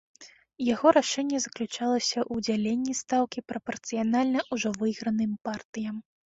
Яго рашэнне заключалася ў дзяленні стаўкі прапарцыянальна ўжо выйграным партыям.